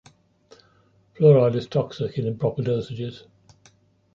Fluoride is toxic in improper dosages.